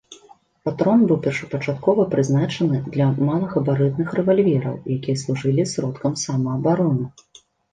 Патрон быў першапачаткова прызначаны для малагабарытных рэвальвераў, якія служылі сродкам самаабароны.